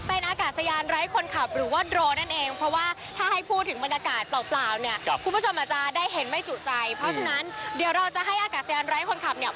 เป็นอากาศยานไร้คนขับหรือว่าโดรนั่นเองเพราะว่าถ้าให้พูดถึงบรรยากาศเปล่าเนี่ยคุณผู้ชมอาจจะได้เห็นไม่จุใจเพราะฉะนั้นเดี๋ยวเราจะให้อากาศยานไร้คนขับเนี่ย